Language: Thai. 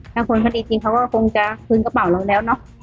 ถ้าคนในจริงเขาก็คงจะขึ้นกระเป๋าเรานแล้วเนา่